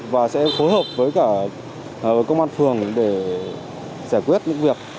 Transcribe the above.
và sẽ phối hợp với cả công an phường để giải quyết những việc